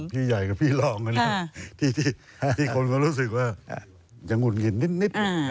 ใหญ่กับพี่รองที่คนก็รู้สึกว่ายังหุ่นหงิดนิด